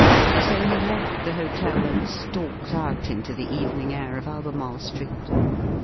So he lefb the hotel and stalked out into the evening air of Albemarle Street.